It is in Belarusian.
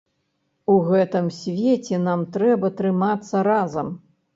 У гэтым свеце нам трэба трымацца разам.